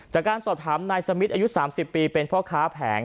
จากการสอบถามนายสมิทร์อายุ๓๐ปีเป็นเพราะ๑๙๖๑พร